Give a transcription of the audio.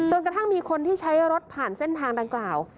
กระทั่งมีคนที่ใช้รถผ่านเส้นทางดังกล่าว